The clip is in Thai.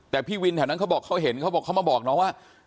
แต่พี่วินแถวนั้นเขาบอกเขาเห็นเขาบอกเขามาบอกน้องว่า